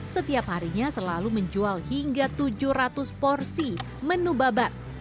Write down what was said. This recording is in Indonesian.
setiap harinya selalu menjual hingga tujuh ratus porsi menu babat